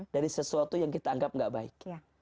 dari sesuatu yang kita anggap gak baik